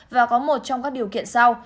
và có một trong các điều kiện sau